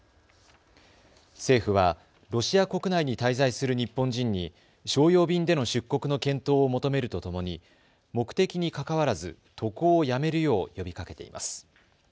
政府はロシア国内に滞在する日本人に商用便での出国の検討を求めるとともに目的にかかわらず渡航をやめるよう呼びかけています。